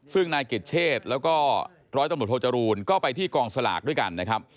ซึ่งนายกิจเชษแล้วก็ร้อยตำรวจโทจรูนก็ไปที่กองสลากด้วยกันนะครับ